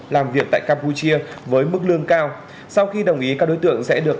làm việc tại campuchia với mức lương cao sau khi đồng ý các đối tượng sẽ được